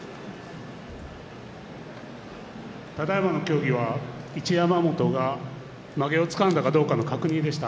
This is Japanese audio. ただいまの協議は一山本がまげをつかんだかどうかの確認でした。